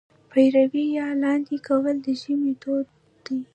پېروی یا لاندی کول د ژمي دود دی.